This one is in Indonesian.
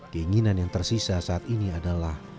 keinginan yang tersisa saat ini adalah